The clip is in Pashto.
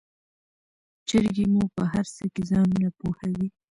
چرګې مو په هرڅه کې ځانونه پوهوي.